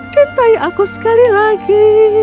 cintai aku sekali lagi